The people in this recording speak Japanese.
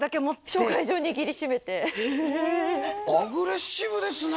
紹介状握りしめてアグレッシブですね